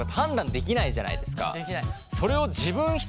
できない。